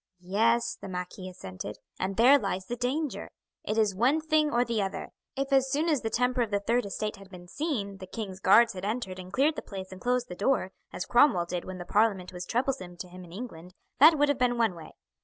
"Yes," the marquis assented, "and there lies the danger. It is one thing or the other. If as soon as the temper of the third estate had been seen the king's guards had entered and cleared the place and closed the door, as Cromwell did when the parliament was troublesome to him in England, that would have been one way.